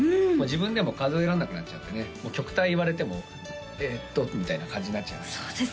うんもう自分でも数えられなくなっちゃってねもう曲タイ言われてもえっとみたいな感じになっちゃいます